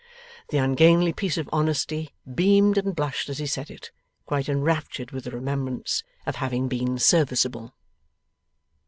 The ungainly piece of honesty beamed and blushed as he said it, quite enraptured with the remembrance of having been serviceable.